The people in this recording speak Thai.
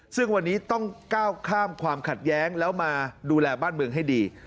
ซึ่งวันนี้ต้องก้าวข้ามความขัดแย้งแล้วมาดูแลบ้านเมืองให้ดี